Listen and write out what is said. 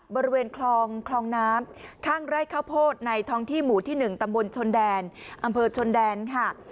บริเวณคลองน้ำข้างไร่ข้าวโพดในท้องที่หมู่ที่๑ตำบลชนแดนอำเภอชนแดนค่ะ